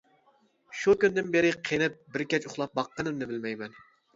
شۇ كۈندىن بېرى قېنىپ بىر كەچ ئۇخلاپ باققىنىمنى بىلمەيمەن.